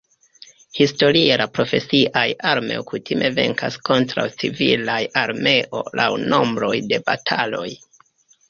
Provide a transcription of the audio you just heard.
Historie la profesiaj armeoj kutime venkas kontraŭ civilaj armeoj laŭ nombro de bataloj.